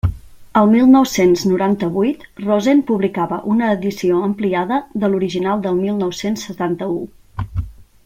El mil nou-cents noranta-vuit, Rosen publicava una edició ampliada de l'original del mil nou-cents setanta-u.